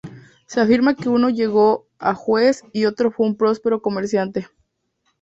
Se afirma que uno llegó a juez y otro fue un próspero comerciante.